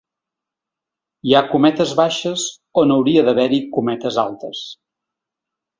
Hi ha «» on hauria d’haver-hi ”“.